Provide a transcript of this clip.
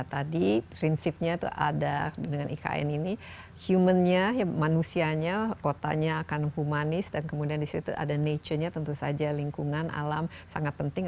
tadi prinsipnya itu ada dengan ikn ini human nya manusianya kotanya akan humanis dan kemudian disitu ada nature nya tentu saja lingkungan alam sangat penting